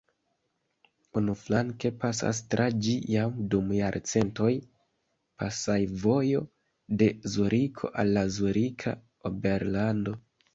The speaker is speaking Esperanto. Unuflanke pasas tra ĝi jam dum jarcentoj pasejvojo de Zuriko al la Zurika Oberlando.